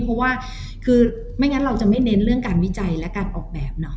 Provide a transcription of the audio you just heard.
เพราะว่าคือไม่งั้นเราจะไม่เน้นเรื่องการวิจัยและการออกแบบเนาะ